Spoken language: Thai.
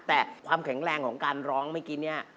แต่ความแข็งแรงของการร้องเมื่อกี้เนี่ย